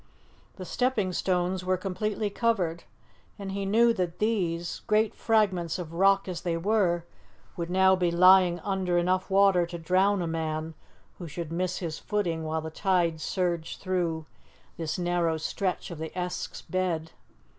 The stepping stones were completely covered, and he knew that these great fragments of rock as they were would now be lying under enough water to drown a man who should miss his footing while the tide surged through this narrow stretch of the Esk's bed.